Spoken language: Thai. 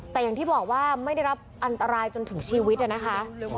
แต่อย่างที่บอกว่าไม่ได้รับอันตรายจนถึงชีวิตนะคะ